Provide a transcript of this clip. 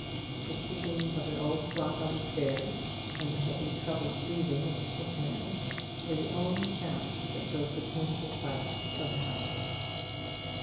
The ticking of an old clock on the stairs, and the heavy troubled breathing of the sick man, were the only sounds that broke the painful silence of the house.